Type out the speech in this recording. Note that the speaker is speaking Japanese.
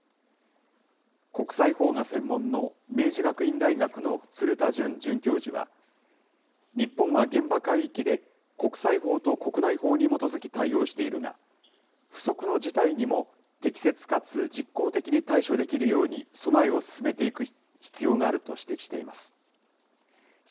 国際法が専門の明治学院大学の鶴田順准教授は、日本は現場海域で国際法と国内法に基づき対応しているが、不測の事態にも適切かつ実効的に対処できるように備えを進めていく必要があると指摘しています。